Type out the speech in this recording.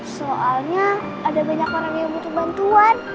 soalnya ada banyak orang yang butuh bantuan